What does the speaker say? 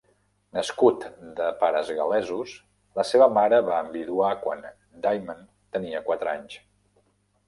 Nascut de pares gal·lesos, la seva mare va enviduar quan Dyment tenia quatre anys.